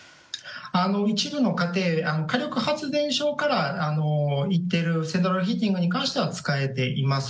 一部の家庭の火力発電所からいっているセントラルヒーティングに関しては使えています。